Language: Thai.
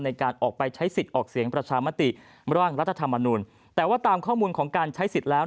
ในการออกไปใช้สิทธิ์ออกเสียงประชามติร่างรัฐธรรมนุนแต่ว่าตามข้อมูลของการใช้สิทธิ์แล้ว